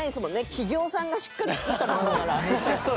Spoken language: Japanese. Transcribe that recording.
企業さんがしっかり作ったものだから。